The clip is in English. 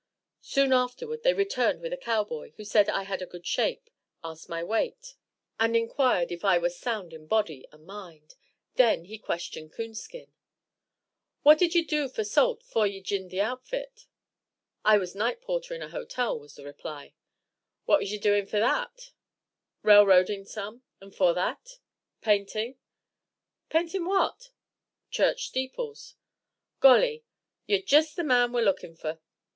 Soon afterward they returned with a cowboy, who said I had a good shape, asked my weight, and inquired if I was sound in body and mind; then he questioned Coonskin. "What did you do fer yer salt 'fore ye jined th' outfit?" "I was night porter in a hotel," was the reply. "What was ye doin' 'fore that?" "Railroading some." "And 'fore that?" "Painting." "Paintin' what?" "Church steeples." "Golly! yer jest th' man we're lookin' fer."